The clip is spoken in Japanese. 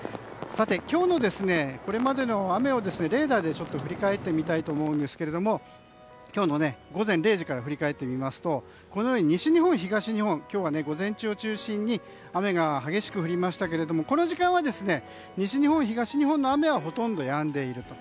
今日のこれまでの雨をレーダーで振り返ってみたいと思うんですけども今日の午前０時からですがこのように西日本、東日本午前中を中心に雨が激しく降りましたけどもこの時間は西日本、東日本の雨はほとんどやんでいると。